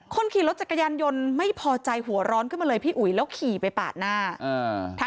คนขี่รถจักรยานยนต์ไม่พอใจหัวร้อนขึ้นมาเลยพี่อุ๋ยแล้วขี่ไปปาดหน้า